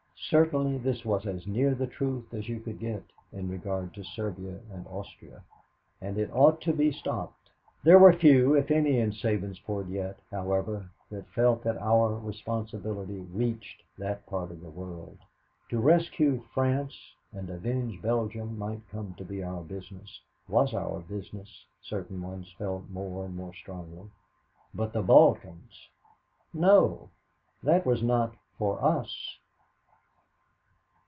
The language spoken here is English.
Certainly this was as near the truth as you could get in regard to Serbia and Austria; and it ought to be stopped. There were few, if any, in Sabinsport yet, however, that felt that our responsibility reached that part of the world. To rescue France and avenge Belgium might come to be our business was our business, certain ones felt more and more strongly. But the Balkans? No, that was not for us.